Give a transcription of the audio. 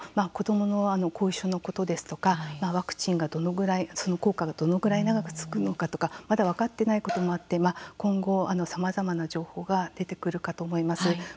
子どもの後遺症のことですとかワクチンがどのぐらい効果がどれぐらい長く続くのかとかまだ分かってないこともあって今後、さまざまな情報が出てくるかと思います。